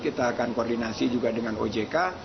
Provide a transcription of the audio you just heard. kita akan koordinasi juga dengan ojk